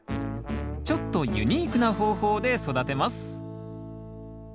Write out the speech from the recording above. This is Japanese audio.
ちょっとユニークな方法で育てます。